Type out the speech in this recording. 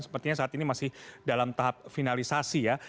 sepertinya saat ini masih dalam tahap finalisasi ya